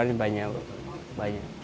iya perubahannya banyak